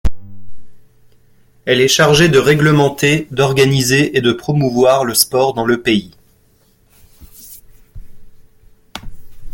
Elle est chargée de réglementer, d’organiser et de promouvoir le sport dans le pays.